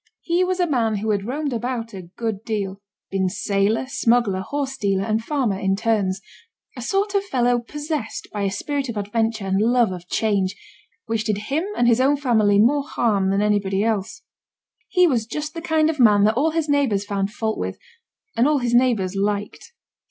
He was a man who had roamed about a good deal been sailor, smuggler, horse dealer, and farmer in turns; a sort of fellow possessed by a spirit of adventure and love of change, which did him and his own family more harm than anybody else. He was just the kind of man that all his neighbours found fault with, and all his neighbours liked.